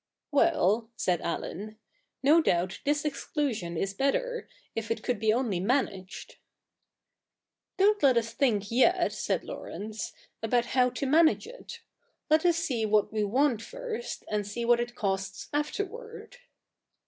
' Well,' said Allen, ' no doubt this exclusion is better, if it could be only managed.' ' Don't let us think yet,' said Laurence, 'about how to manage it. Let us see what we want first, and see what it costs afterward.'